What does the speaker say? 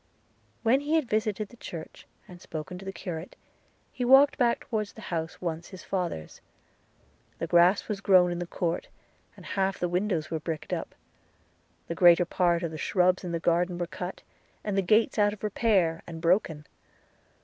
– When he had visited the church, and spoken to the curate, he walked back towards the house once his father's. The grass was grown in the court, and half the windows were bricked up: the greater part of the shrubs in the garden were cut; and the gates out of repair; and broken.